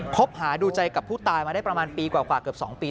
คบหาดูใจกับผู้ตายมาได้ประมาณปีกว่าเกือบ๒ปี